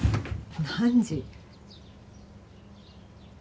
何時？